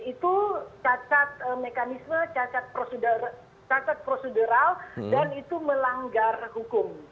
itu cacat mekanisme cacat prosedural dan itu melanggar hukum